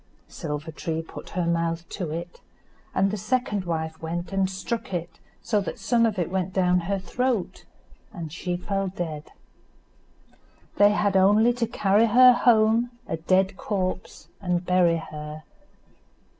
Silver tree put her mouth to it, and the second wife went and struck it so that some of it went down her throat, and she fell dead. They had only to carry her home a dead corpse and bury her.